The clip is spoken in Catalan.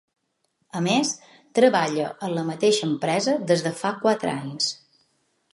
A més, treballa en la mateixa empresa des de fa quatre anys.